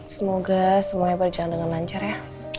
semoga semuanya berjalan dengan lancar ya